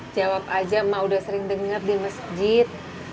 jawab aja mak udah sering denger di masjid